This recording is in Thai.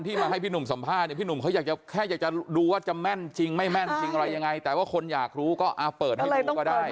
เพราะว่าพี่หนุ่มเขาอยากจะแค่อยากจะดูว่าจะแม่นจริงไม่แม่นจริงอะไรยังไงแต่ว่าคนอยากรู้ก็อ่าเปิดให้ดูก็ได้